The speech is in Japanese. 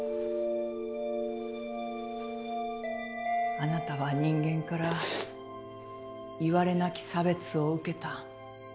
あなたは人間からいわれなき差別を受けた。